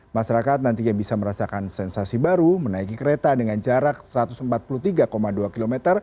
masyarakat nantinya bisa merasakan sensasi baru menaiki kereta dengan jarak satu ratus empat puluh tiga dua km